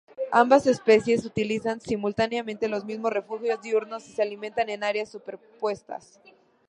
Ambas especies utilizan simultáneamente los mismos refugio diurnos y se alimentan en áreas superpuestas.